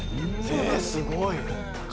えすごい！